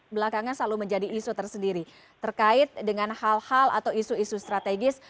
belakangan selalu menjadi isu tersendiri terkait dengan hal hal atau isu isu strategis